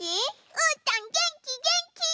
うーたんげんきげんき！